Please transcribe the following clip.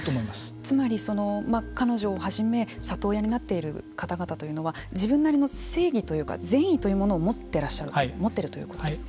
つまり彼女を初め里親になっている方々というのは自分なりの正義というか善意というものを持っているということですね。